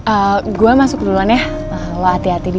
eh gue masuk duluan ya